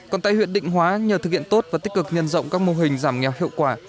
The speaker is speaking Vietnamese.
còn tại huyện định hóa nhờ thực hiện tốt và tích cực nhân rộng các mô hình giảm nghèo hiệu quả